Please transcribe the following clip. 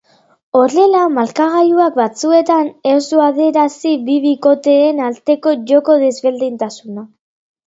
Horrela, markagailuak batzuetan ez du adierazi bi bikoteen arteko joko desberdintasuna.